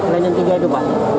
lain yang tiga itu pak